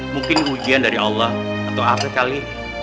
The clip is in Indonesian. mungkin ujian dari allah atau apa kali